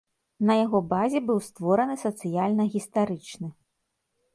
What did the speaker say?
На яго базе быў створаны сацыяльна-гістарычны.